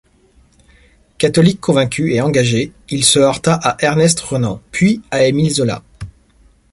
Catholique convaincu et engagé, il se heurta à Ernest Renan, puis à Émile Zola.